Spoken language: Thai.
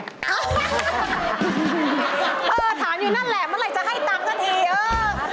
เออถามอยู่นั่นแหละเมื่อไหร่จะให้ตังค์ก็ดี